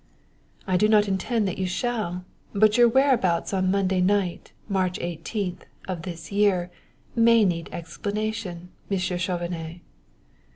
"I do not intend that you shall; but your whereabouts on Monday night, March eighteenth, of this year, may need explanation, Monsieur Chauvenet."